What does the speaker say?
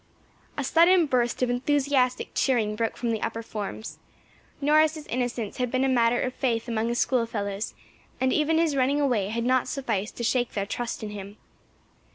A sudden burst of enthusiastic cheering broke from the upper forms. Norris's innocence had been a matter of faith among his schoolfellows, and even his running away had not sufficed to shake their trust in him.